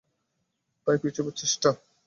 তাই পিছোবার চেষ্টা।